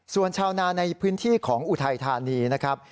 ส่วนชาวนาในพื้นที่ของอุทัยธานีนะครับ